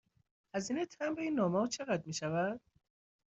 هزینه مبر این نامه ها چقدر می شود؟